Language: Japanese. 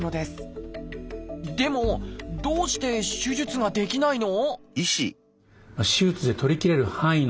でもどうして手術ができないの？